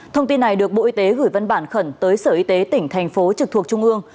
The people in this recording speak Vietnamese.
thông tin này được bộ y tế gửi văn bản khẩn tới sở y tế tỉnh thành phố trực thuộc trung ương